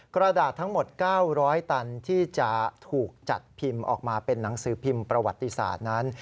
กระดาษทั้งหมด๙๐๐ตันที่จะถูกจัดพิมพ์ออกมาเป็นหนังสือพิมพ์ประวัติศาสตร์นั้น